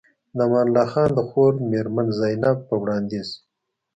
د امان الله خان د خور مېرمن زينب په وړانديز